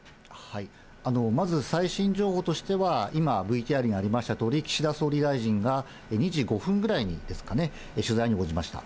まず最新情報としては、今、ＶＴＲにありましたとおり、岸田総理大臣が２時５分ぐらいですかね、取材に応じました。